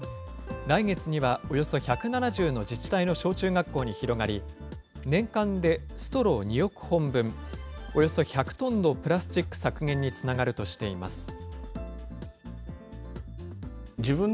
来月にはおよそ１７０の自治体の小中学校に広がり、年間でストロー２億本分、およそ１００トンのプラスチック削減につながるとしています。